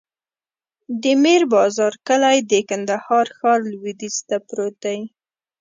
د میر بازار کلی د کندهار ښار لویدیځ ته پروت دی.